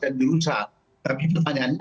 dan dirusak tapi pertanyaannya